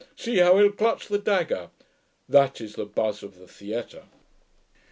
See how he'll clutch the dagger!" That is the buzz of the theatre.'